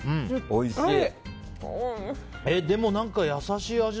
おいしい！